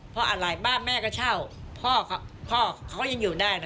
เพราะอะไรบ้านแม่ก็เช่าพ่อเขายังอยู่ได้นะ